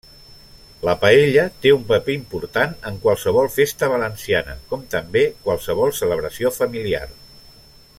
La paella té un paper important en qualsevol festa valenciana, com també qualsevol celebració familiar.